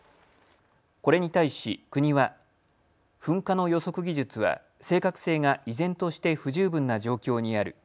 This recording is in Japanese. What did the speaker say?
これに対し国は噴火の予測技術は正確性が依然として不十分な状況にある。